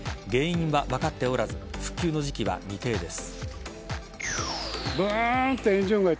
原因は分かっておらず復旧の時期は未定です。